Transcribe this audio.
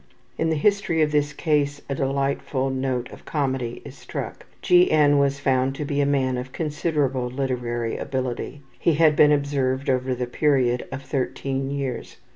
In the history of this case a delightful note of comedy is struck. G. N. was found to be a man of considerable literary ability. He had been observed over the period of 13 years.